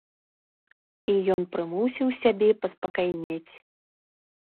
І ён прымусіў сябе паспакайнець.